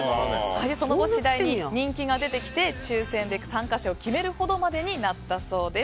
その後、次第に人気が出てきて抽選で参加者を決めるほどまでになったそうです。